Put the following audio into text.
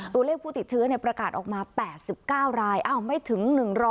ตัวเลขผู้ติดเชื้อประกาศออกมา๘๙รายไม่ถึง๑๐๐